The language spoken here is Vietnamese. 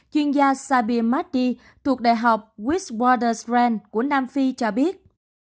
chuyên gia sabir mahdi thuộc đại học westwater s rand của nam phi cho biết